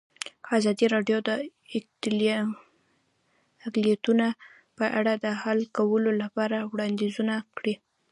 ازادي راډیو د اقلیتونه په اړه د حل کولو لپاره وړاندیزونه کړي.